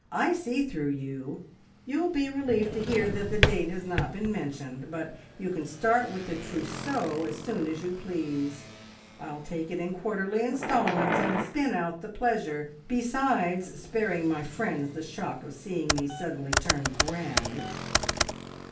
"I see through you! You'll be relieved to hear that the date has not been mentioned, but you can start with the trousseau as soon as you please. I'll take it in quarterly instalments, and spin out the pleasure, besides sparing my friends the shock of seeing me suddenly turn grand.